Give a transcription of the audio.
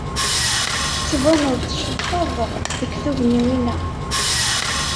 Tettbaneḍ-d tcebḥeḍ deg tugniwin-a.